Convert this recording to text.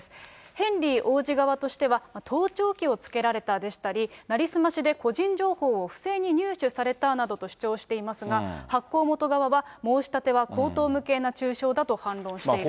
ヘンリー王子側としては、盗聴器をつけられたでしたり、成り済ましで個人情報を不正に入手されたなどと主張していますが、発行元側は、申し立ては荒唐無稽な中傷だと反論しているんです。